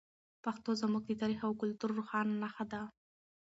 پښتو زموږ د تاریخ او کلتور روښانه نښه ده.